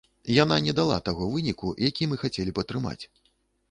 Яна не дала таго выніку, які мы хацелі б атрымаць.